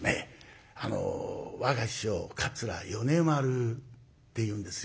我が師匠桂米丸っていうんですよ。